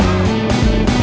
udah bocan mbak